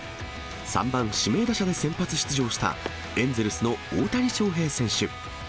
３番指名打者で先発出場したエンゼルスの大谷翔平選手。